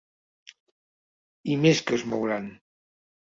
I més que es mouran.